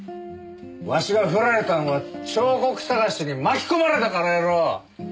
わしがふられたんは彫刻探しに巻き込まれたからやろ。